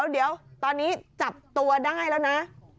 เดี๋ยวตอนนี้จับตัวได้แล้วนะ